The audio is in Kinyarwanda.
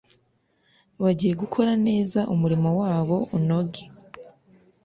bagiye gukora neza umurimo wabo unoge